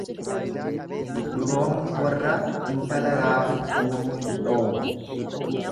Duroomni warraa intala raafuu guuruu hin dhoowwu.